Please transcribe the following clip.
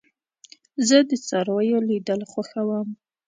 زه د څارويو لیدل خوښوم.